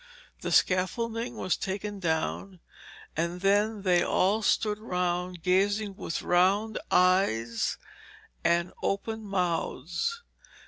The scaffolding was taken down, and then they all stood round, gazing with round eyes and open mouths.